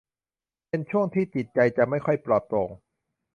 เป็นช่วงที่จิตใจจะไม่ค่อยปลอดโปร่ง